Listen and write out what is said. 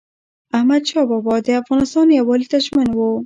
احمدشاه بابا د افغانستان یووالي ته ژمن و.